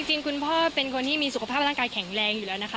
คุณพ่อเป็นคนที่มีสุขภาพร่างกายแข็งแรงอยู่แล้วนะคะ